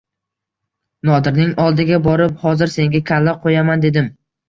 Nodirning oldiga borib: “Hozir senga kalla qo‘yaman”, dedim.